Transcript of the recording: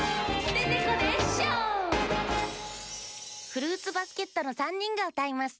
フルーツバスケットのさんにんがうたいます。